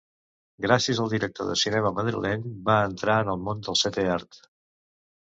Gràcies al director de cinema madrileny va entrar en el món del setè art.